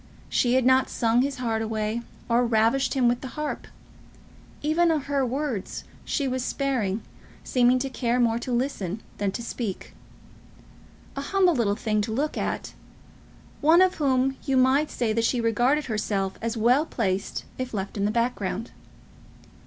She had not sung his heart away, or ravished him with the harp. Even of her words she was sparing, seeming to care more to listen than to speak; a humble little thing to look at, one of whom you might say that she regarded herself as well placed if left in the background.